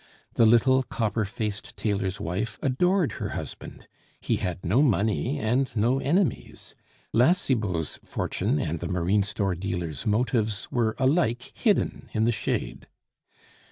The little copper faced tailor's wife adored her husband; he had no money and no enemies; La Cibot's fortune and the marine store dealer's motives were alike hidden in the shade.